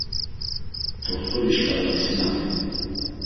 T̆oxt̆ori şǩala visinapi.